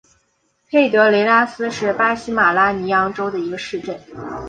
佩德雷拉斯是巴西马拉尼昂州的一个市镇。